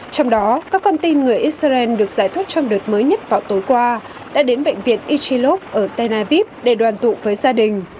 trong đó các con tin người israel được giải thoát trong đợt mới nhất vào tối qua đã đến bệnh viện ichilov ở tel aviv để đoàn tụ với gia đình